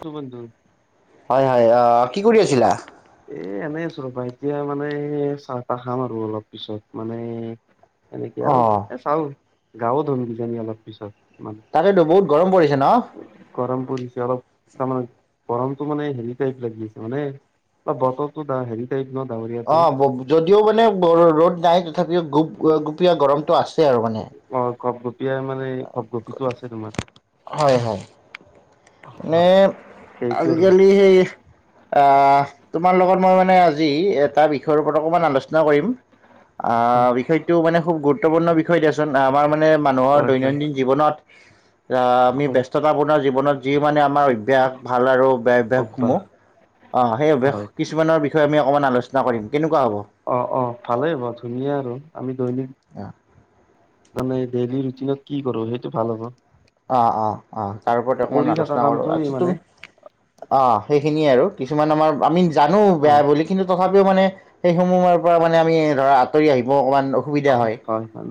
আছো বন্ধু হয় হয় আহ কি কৰি আছিলা এ এনেই আছো ৰবা এতিয়া মানে চাহ তাহ খাম আৰু অলপ পিছত মানে এনেকে আৰু অ' এ চাও গাও ধুম কি জানি অলপ পিছত মানে তাকেতো বহুত গৰম পৰিছে ন গৰম পৰিছে অলপ তাৰমানে গৰমতটো মানে হেৰি টাইপ লাগি আছে মানে বতৰটো হেৰি টাইপ ন ডাৱৰীয়া অ টাইপ যদিও মানে ৰ'দ নাই তথাপিও গুপ গুপীয়া গৰমতটো আছে আৰু মানে। অ গপগপিয় মানে গপ গপিটো আছে তোমাৰ হয় হয় অ মানে সেইটো আৰু আজিকালি সেই আহ তোমাৰ লগত মই মানে আজি এটা বিষয়ৰ ওপৰত অকমান আলোচনা কৰিম হয় বিষয়টো মানে খুব গুৰুত্বপূৰ্ণ বিষয় দিয়াচোন আমাৰ মানে মানুহৰ হয় হয় দৈনন্দিন জীৱনত আহ আমি হয়, ব্যস্ততাপূৰ্ণ জীৱনত যি মানে আমাৰ অভ্যয়াস ভাল আৰু বেয়া অভ্যাস অভ্যাসসমূহ অ সেই অভ্যাস হয় কিছুমানৰ আমি অকমান আলোচনা কৰিম। হ'ব? অ অ ভালেই হব ধুনীয়া আৰু আমি দৈনিক এ মানে ডেইলি ৰুটিনত কি কৰো সেইটো ভাল হ'ব আহ অ অ তাৰ ওপৰত অকমান কৰি থকা আলোচনা কৰো কামটোৱে আচ্ছা মানে তুমি অ সেইখিনিয়ে আৰু কিছুমান আমাৰ আমি জানো অ বেয়া বুলি কিন্তু তথাপিও মানে সেইসমূহৰ পৰা মানে আমি ধৰা আঁতৰি আহিব অকমান অসুবিধা হয়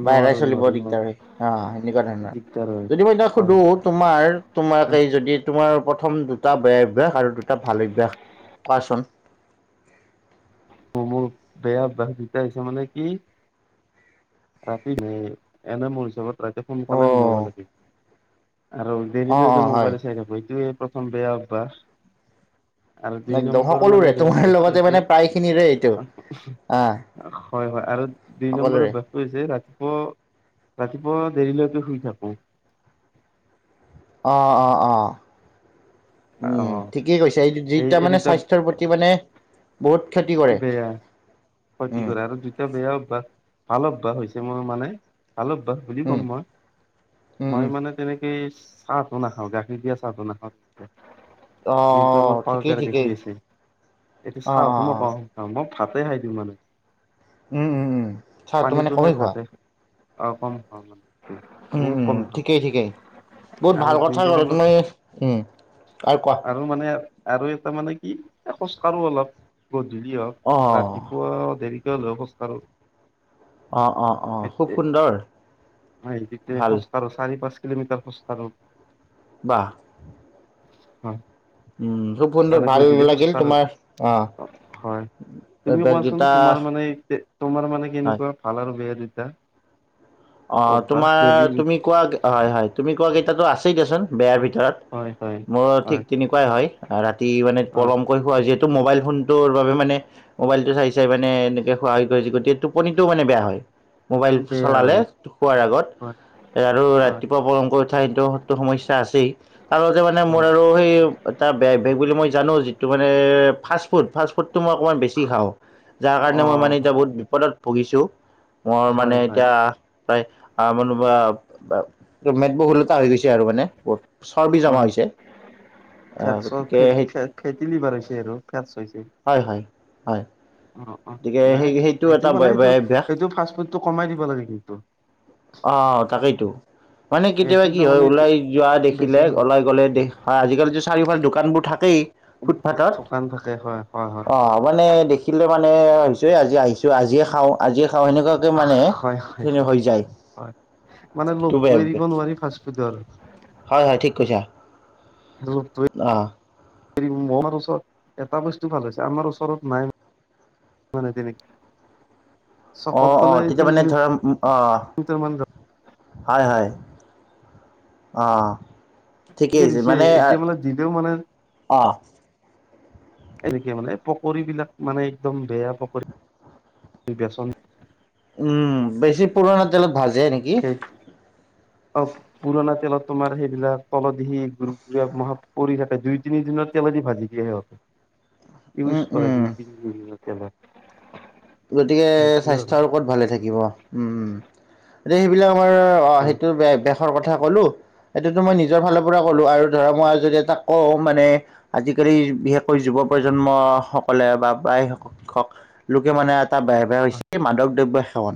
বা এৰাই নোৱাৰো চলিব নোৱাৰো দিগদাৰ নোৱাৰো হয় অ সনেকুৱা ধৰণৰ দিগদাৰ হয় যিবই এতিয়া সুধো হয় তোমাৰ তোমাক এই হয় যদি তোমাৰ প্ৰথম দুটা বেয়া অভ্যাস আৰু দুটা ভাল অভ্যাস কোৱাচোন মোৰ বেয়া অভ্যাস হৈছে মানে কি ৰাতি এনে মোৰ হিচাপত ৰাতি সোনকালে সোমাব অ', লাগিব আৰু অ', দেৰিলৈকে অ', হয়। মোবাইল চাই থাকো এইটোয়ে প্ৰথম বেয়া অভ্যাস আৰু দুই একদম নম্বৰ মানে সকলোৰে বেয়া তোমাৰ অভ্যাস লগতে হৈছে মানে প্ৰায় খিনিৰে এইটো আহ হয় হয় আৰু দুই নম্বৰ সকলোৰে বাসটো হৈছে ৰাতিপুৱা ৰাতিপুৱা দেৰিলৈকে শুই থাকো অঁ অঁ অঁ উম অ ঠিকেই কৈছে এই যিটা এই মানে দুটা স্বাস্থ্যৰ প্ৰতি মানে বহুত ক্ষতি কৰে বেয়া ক্ষতি উম কৰা আৰু দুটায়া বেয়া অভ্যাস ভাল অভ্যাস হৈছে মই মানে ভাল অভ্যাস বুলি উম ক'ম মই উম উম মই মানে তেনেকে চাহটো নাখাওঁ গাখীৰ দিয়া চাহটো নাখাওঁ দিয়া অ যিটো আমাৰ ঠিকেই পাউডাৰ ঠিকেই গাখীৰ আছে এইটো অ চাহ ত অ মই অ পাওঁ মই ভাতে খাই দিওঁ মানে উম উম উম চাহটো মানে পানীটো খাই কমেই খোৱা ভালে অ কম হয় মানে উম বহুত উম কম খাওঁ। ঠিকেই ঠিকেই বহুত আৰু ভাল দুই কথা ক'লা নম্বৰ তুমি উম আৰু মানে আৰু এটা মানে কি? খোজ কাঢ়ো অলপ গধূলি হওক, অ ৰাতিপুৱা দেৰি হলেওঁ খোজ কাঢ়ো। অ অ অ খুব সুন্দৰ তেতিয়া ভাল খোজ কাঢ়ো চাৰি, পাঁচ কিলোমিটাৰ খোজ কাঢ়ো। বাহ। হয়। উম খুব সুন্দৰ এনে ভাল গধূলি লাগিল খোজকাঢ়ো। তোমাৰ, অহ। হয় তুমি কোৱাচোন তোমাৰ মানে তোমাৰ মানে হয় কেনেকুৱা ভাল আ ভাল বেয়া দুইটা অ তোমাৰ তুমি কোৱা, হয়-হয়। তুমি কোৱা কেইতাটো আছেই দিয়াচোন বেয়াৰ ভিতৰত। তাত হয় হয় মোৰ ঠিক হয় তেনেকুৱাই হয়। ৰাতি মানে হয় পলমকৈ খোৱা যিহেতু মোবাইল ফোনটোৰ বাবে মানে মোবাইলটো চাই চাই মানে এনেকে খোৱা হৈ গৈছে। গতিকে টোপনিটো মানে বেয়া হয় মোবাইল বেয়া চলালে। হয় শুৱাৰ আগত হয় এ আৰু হয় ৰাতিপুৱা পলমকৈ উঠা সেইটো সো সমস্যা আছেই। তাৰতে মানে মোৰ হয় আৰু সেই এটা বে বে বুলি মই জানো, যিটো মানে ফাষ্ট ফুড ফাষ্ট ফুডটো মই অকমান বেছি খাওঁ। যাৰ কাৰণে অ মই মানে হয় এতিয়া বহুত নেকি বিপদত ভুগিছো। মোৰ হয় মানে হয় এতিয়া প্ৰায় আ মানহ বা মেদবহুল তা হৈ গৈছে আৰু মানে বহুত চৰ্বি জমা হৈছে। আহ গতিকে সেই ফেটে ফেটি লিভাৰ হৈছে আৰু ফেটচ হৈছে। হয় হয় হয়। অ অ গতিকে নাই সেই সেইটো এটা মানে সেইটো বেয়া অভ্যাস সেইটো ফাষ্ট ফুডটো কমাই দিব লাগে কিন্তু। অ তাকেই টো মানে কেতিয়াবা এইটো কি হয়, তাৰমানে ওলাই যোৱা বেছি দেখিলে খালে ওলাই গ'লে হয় আজিকালি চাৰিওফাল দোকানবোৰ থাকেই ফুটপাথত। থকান থাকে হয় হয় অ মানে দেখিলে মানে হৈছে আজি আহিছো, আজিয়ে খাওঁ। আজি খাওঁ। সেনেকুৱাকে মানে হয় হয় খিনি হয় হৈ যায়। হয় মানে টো বেয়া লোভটো এৰিব অভ্যাস। নোৱাৰি ফাষ্টফুডৰ। হয়, হয়। ঠিক কৈছা। লোভটোৱে অ হেৰি মৰাৰ ওচৰত এটা বস্তু ভাল হৈছে। আমাৰ ওচৰত নাই। [unintelligible] চকত অঁ, গ'লে অঁ তেতিয়া তিন মানে, ধৰা অ কিলোমিটাৰ মান যাব হয়-হয়। অঁ-অ। ঠিকেই কে হৈছে। দিছে মানে এতিয়া দিলেও মানে অহ এনেকে মানে পকৰী বিলাক মানে একদম বেয়া পকৰী। বেচন উম বেছি পুৰণা তেলত ভাজে নেকি? খেত অ পুৰণা তেলত তোমাৰ সেইবিলাক তলত দিহি মহ পৰি থাকে। দুই, তিনি দুদিনৰ তেলেদি ভাজি দিয়ে সিহঁতে। উম, ইউজ কৰে উম, দুই, তিনি দিনৰ তেলত। গতিকে স্বাস্থ্য আৰু কত ভালে থাকিব? উম, উম এতিয়া সেইবিলাক ৰ অ সেইটো বেশ বেশৰ কথা কলোঁ, সেইতোটো মই নিজৰ ফালৰ পৰ পৰা ক'লোঁ আৰু ধৰা মই যদি তাক কওঁ মানে আজিকালি বিশেষকৈ যুৱ প্ৰজন্ম সকলে বা প্ৰায় শিক্ষক লোক মানে এটা বে বেয়া হৈছে কি মাদক দ্ৰব্য সেৱন।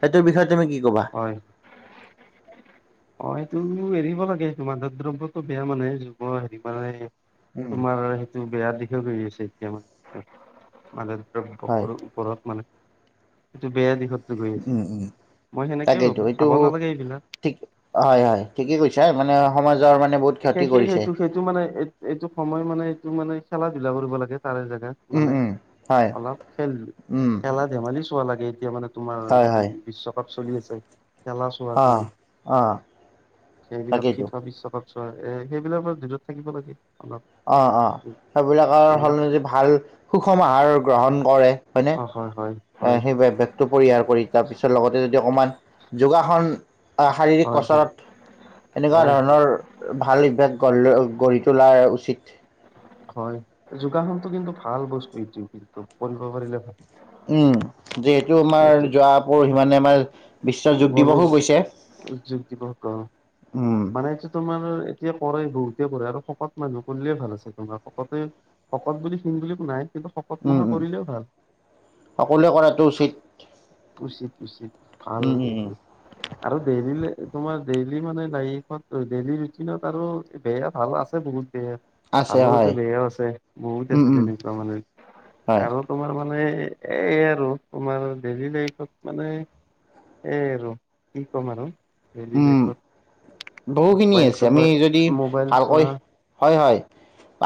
সেইটোৰ বিষয়ে তুমি কি ক'বা? হয়। অ এইটো কিন্তু এৰিব লাগে। তোমাৰ মাদক দ্ৰব্যতো বেয়া মানে যো অ হেৰি কাৰণে। উম, তোমাৰ সেইটো বেয়া দিশে বেৰি আছে এতিয়াওঁ মানে। দব হয়, কৰো ওপৰত মানে এইটো বেয়া দিশত গৈ উম, আছে উম, মই সেনেকেই তাকেইতো ভাবো এইটো খাব নালাগে এইবিলাক ঠিক হয়, হয়, ঠিকেই কৈছা মানে সমাজৰ মানে বহুত ক্ষতি কৰিছে। সেইটো সেইটো মানে এইটো সময় মানে এইটো মানে। খেলা ধূলা কৰিব লাগে তাৰে জাগা উম, মানে উম, হয়, অলপ খেল উম, খেলা ধেমালি চোৱা লাগে এতিয়া মানে তোমাৰ হয়, হয়। বিশ্বকাপ চলি আছে খেলা চোৱা তুমি অ', অ', সেইবিলাক কি তাকেইতো পিছত এ সেইবিলাক ভিতৰত থাকিব লাগে। অলপ অ অ সেইবিলাকৰ এইবিলাক সলনি ভাল সুষম আহাৰ গ্ৰহণ কৰে অ হয় হয় হয়নে। হয় সেইভেগটো পৰিহাৰ কৰি তাৰ পিছত লগতে যদি অকমান যোগাসন শাৰীৰিক হয় হয় কচাৰত এনেকুৱা হয় হয় ধৰণৰ ভাল ইতভেদ গঢ়ি তোলাৰ উচিত্ হয় যোগাসনতটো কিন্তু ভাল বস্তু এইটো কিন্তু কঢ়িব পাৰিলে ভাল। উম যিহেতু আমাৰ এইটো যোৱা পৰহি মানে আমাৰ বিশ্ব যোগ গলে দিৱসো গৈছে। যোগ দিবস উম, মানে এইটো তোমাৰ এতিয়া কৰে বহুতে কৰে আৰু শকত মানুহ কৰিলে ভাল আছে তোমাৰ ভকতে ভকত বুলি শিন বুলি একো নাই। কিন্তু শকত মখা কৰিলেও ভাল সকলোৱে কৰাটো উচিত। উচিত উচিত ভাল উম, উম, উম, এইবোৰ আৰু দেৰিলে তোমাৰ ডেইলি মানে লাইফত ডেইলি ৰুটিনত আৰু বেয়া ভাল আছে বহুত বেয়া। ভালো আছে বেয়াও আছে বহুত উম, আছে উম, তেনেকুৱা মানে হয়। আৰু তোমাৰ মানে মানে এই আৰু তোমাৰ ডেইলি লাইফত মানে। এ কি কম আৰু উম, দেলিলাইফত বহুখিনি আছে মোবাইলটো আমি যদি পৰা মোবাইল ভালকৈ চোৱা। হয় হয়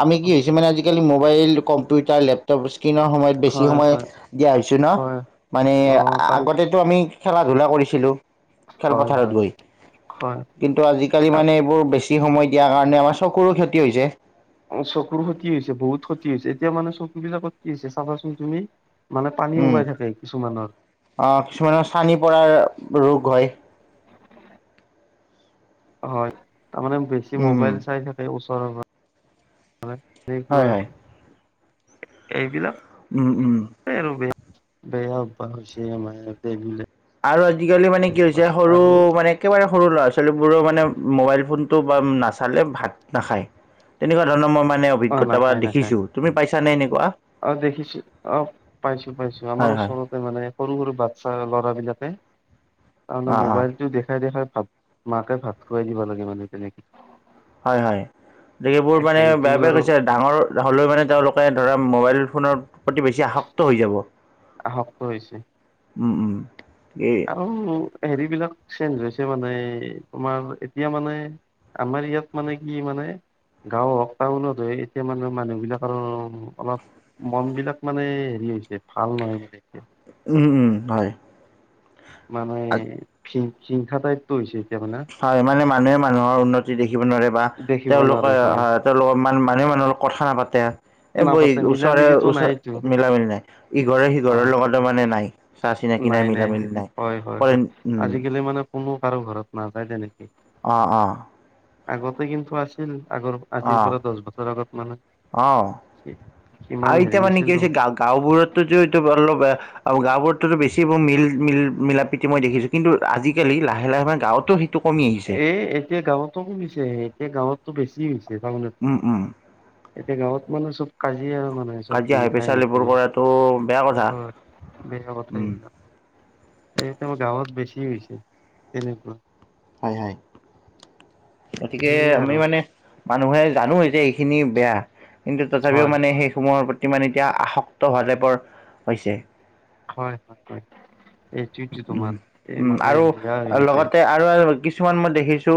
আমি কি হৈছো মানে আজিকালি মোবাইল, কম্পিউটাৰ, লেপটপ স্ক্ৰীনৰ সময়ত বেছি হয় সময় হয় দিয়া হৈছে। ছো ন হয় মানে অ তাৰ আগতেটো আমি খেলা ধূলা কৰিছিলো হয় খেলপথাৰত হয় গৈ। হয় কিন্তু আজিকালি মানে এইবোৰ বেছি সময় দিয়াৰ কাৰণে আমাৰ চকুৰো ক্ষতি হৈছে। অ চকুৰ ক্ষতি হৈছে বহুত ক্ষতি হৈছে এতিয়া মানে চকু বিলাকত কি হৈছে চাবাচোন তুমি। মানে পানী উম ওলাই থাকে কিছুমানৰ আহ কিছুমানৰ চানি পৰাৰ ৰোগ হয়। হয় তাৰমানে বেছি উম, মোবাইল চাই থাকে ওচৰৰ পৰা সেনে হয় কোৱা হয় আৰু এইবিলাক উম উম আৰু বেয়া বেয়া প হৈছে আমাৰ দেহ বিলাক আৰু আজিকালি মানে কি হৈছে সৰু মানে একেবাৰে সৰু ল'ৰা ছোৱালীবোৰো মানে মোবাইল ফোন টো নাচালে ভাত নাখাই। তেনেকুৱা ধৰণৰ মানে অ অভিজ্ঞতা বা নাখায় নাখায় দেখিছো তুমি পাইছা নাই। অ দেখিছো অ পাইছো পাইছো আমাৰ হয় হয় ওচৰতে মানে সৰু সৰু বাচ্ছা কালত অঁ অঁ মবাইলটো দেখাই দেখাই ভ মাকে ভাত খুৱাই দিব লাগে মানে তেনেকে। হয় হয়। গতিকে সেইবোৰ মানে সেইটো বেয়া বেয়া আৰু গৈছে ডাঙৰ হ'লেও মানে তেওঁলোকে ধৰা মোবাইল ফোনৰ প্ৰতি বেছি আসক্ত হৈ যাব। আসক্ত হৈছে। উম উম। এই আৰু হেৰিবিলাক চেঞ্জ হৈছে মানে তোমাৰ এতিয়া মানে আমাৰ ইয়াত মানে কি মানে গাঁও হওক টাউনত এতিয়া মানে মানুহ বিলাকৰ অলপ। মন বিলাক মানে হেৰি হৈছে ভাল নহয় মানে এতিয়া উম উম হয়। মানে হিংসা টাইপ টো হৈছে। এতিয়া মানে হয় মানে মানুহে মানুহৰ উন্নতি দেখিব নোৱাৰে বা দেখিব তেওঁলোকে নোৱাৰে হয় তেওঁলোকক ইমান মানুহে মানুহৰ লগত কথা নাপাতে এই বৈ নাপাতে মিলা ওচৰে মিলিতো ওচ নাইতো মিলা মিলি নাই ইঘৰে সিঘৰৰ হয় লগতে মানে নাই চা- চিনাকি নাই মিলা নাই মিলি হয় হয় কৰে হয় আজিকালি মানে কোনো কাৰো ঘৰত নাযায় তেনেক- আহ আহ আগতে কিন্তু আছিল আগৰ আজিৰ অঁ পৰা দহ বছৰ আগত মানে অঁ সিমান আৰু হেৰি এতিয়া মানে কি নাছিলতো হৈছে গা গাওবোৰতটো এইটো অলপ গাওবোৰতটো বেছিৰ মিল মিল মিলাপ্ৰীতি মই দেখিছোঁ কিন্তু আজিকালি লাহে লাহে মে গাঁৱতো- কমি আহিছে এ এতিয়া গাঁৱতো শুনিছে হে এতিয়া গাঁৱতো বেছি হৈছে টাউনতকে। উম উম এতিয়া গাঁৱত মানে চব কাজিয়া আৰু মানে চব কাজিয়া হাই হিংসা পেচাল হিংসি এইবোৰ মানে। কৰাটো বেয়া কথা হয় বেয়া কথা উম সেইবিলাক এতিয়া আমাৰ গাঁৱত বেছ- কি হৈছে তেনেকুৱা। হয় হয় গতিকে সেয়ে আমি আৰু মানে- মানুহে জানো যে এইখিনি বেয়া কিন্তু তথাপিও হয় মানে সেইসমূহৰ প্ৰত- ইমান এতিয়া আসক্ত হোৱা টাইপৰ হৈছে। হয় হয় হয়। এইটোতো উ তোমাৰ এই উম মানে আৰু বেয়া হৈ গৈছে লগতে আৰু কিছুমান মই দেখিছো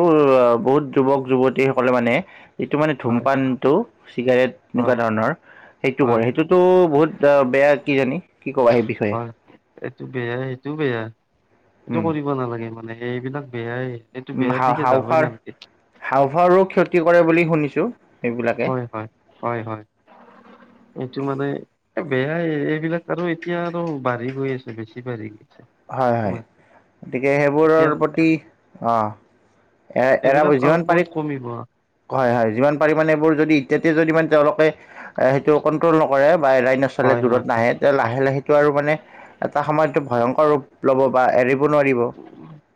বহুত যুৱক। যুৱতীসকলে মানে যিটো মানে হয় ধূমপানটো, চিগাৰেট এনেকুৱা হয় ধৰণৰ সেইটো হয় কৰে সেইটোতো বহুত বেয়া কি জানি। কি কবা সেই বিষয়ে? হয় এইটো বেয়াই এইটো বেয়া এইটো উম কৰিব নালাগে মানে এইবিলাক বেয়াই। এইটো উ বেয়াৰ হা দিশে যাবই হাওফাৰ নালাগে হাওফাৰো ক্ষতি কৰে বুলি শুনিছ- হয় হয় হয় হয় এইটো মানে- বেয়াই এইবিলাক আৰু এতিয়া আৰু বাঢ়ি গৈ আছে বেছি বাঢ়ি। হয় হয় তোমাৰ গতিকে এতিয়া সেইবোৰৰ প্ৰতি অ- এ এৰা এইবিলাক আৰু যিমান পাৰি ক'ত কমিব হয় হয় যিমান পাৰিম মানে এইবোৰ যদি এয়াতে যদি ইমান- তেওঁলোকে সেইটো কণ্ট্ৰল নকৰে বা এৰাই নচলে হয় দূৰত হয় নাহে তেয়া লাহে লাহেটো আৰু মানে এটা সময়ত ভয়ং লব বা এৰিব নোৱাৰিব।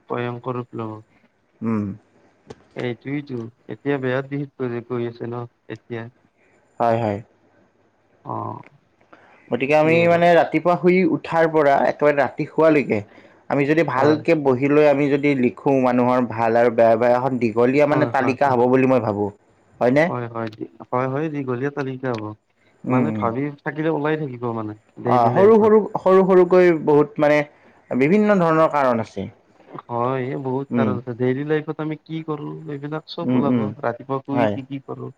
ভয়ংকৰ উম এইটোৱেতো এতিয়া বেয়াত দিশ কৰি গৈ আছে ন এতিয়া- হয় হয়। আহ। গতিকে আমি মানে ৰাতিপুৱা শুই উঠাৰ পৰা একেৰা শুৱালৈকে আমি যদি হয় ভালকে বহি লৈ আম- আমি যদি লিখোঁ মানুহৰ ভাল আৰু বেয়া বেয়া এখন দীঘলীয়া মানে হয় হয় তালিকা হয় হ'ব বুলি মই ভাবোঁ। হয়নে হয় হয়, হয় হয় দীঘলীয়া তালিকা হ'ব উম মানে উম ভাবি থাকিলে ওলাই থাকিব মানে। অ ডেইলি সৰু লাইফত -সৰু সৰু সৰুকৈ বহুত মানে বিভিন্ন ধৰণৰ কাৰণ আছে। হয় বহুত উম কাৰণ আছে ডেইলি লাইফত আমি কি কৰো ৰ'দ চ'ব উম, ওলাব উম, ৰাতিপুৱা শুই হয়। উঠি কি কৰো।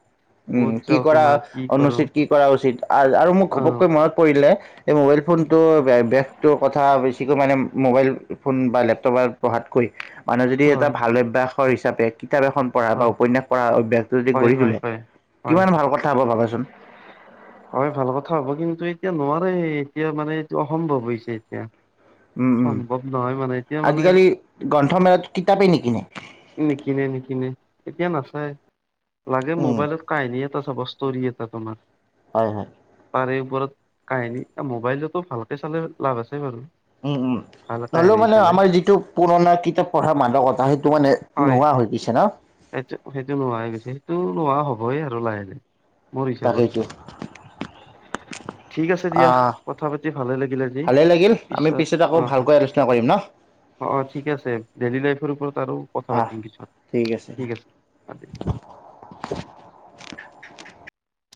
উম ক'ত কি যাওঁ কৰা তোমাৰ কি কৰো অনুচিত কি কৰা উচিত আৰু মোক অ ঘপককৈ মনত পৰিলে এ মব- এই ফোনটো বাইদেশতো কথা বেছিকৈ মানে মোবাইল- ফোন বা লেপটপত পঢ়াতকৈ মানুহে যদি এটা হয় ভাল অভ্যাসৰ হিচাপে- কিতাপ এখন পঢ়া বা উপন্যাস পঢ়া অভ্যাসটো যদি হয় গঢ়ি হয় তোলে। হয় হয় হয় কিমান ভাল কথা হ'ব ভাবাচোন? হয় ভাল কথা হ'ব কিন্তু এতিয়া নোৱাৰে এতিয়া মানে এইটো অসম্ভৱ হৈছে এতিয়া। উম উম সম্ভৱ নহয় মানে এতিয়া মানে আজিকালি গ্ৰন্থমেলাত কিতাপেই নিকনে। নিকনে নিকিনে এতিয়া নাচাই। লাগে উম, মোবাইলত কাহিনী- তা চাব বস্তৰি এটা তোমাৰ। হয় হয়। তাৰে ওপৰত কাহিনী মোবাইলটোতো ভালকে চালে লাভ আছে বাৰু। উম উম ভাল হলেও কাহিনী মানে চালে আমাৰ যিটো পুৰণা কিতাপ পঢ়া মানাদকতা সেইটো মানে- হয়। নোহোৱা হৈ গৈছে ন? সেইটো, সেইটো নোহোৱা হৈ গৈছে, সেইটো নোহোৱা হ'বই আৰু লাহে লাহে। মোৰ হিচাপত তাকেতো। ঠিক আছে দিয়া। কথা পাতি ভালে লাগিলে আজি। ভালে লাগিল আমি পিছত আকৌ অ'। ভালকৈ আলোচনা কৰিম ন অ' অ' ঠিক আছে। ডেইলি লাইফৰ ওপৰত আৰু কথা আহ, পাতিম পিছত ঠিক আছে দে। [inaudible]